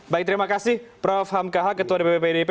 baik terima kasih prof hamkaha ketua dpp pdip